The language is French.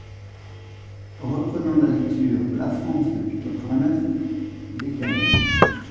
Reprenant la lecture. "La France depuis quatre-vingt-neuf…" Bécamel.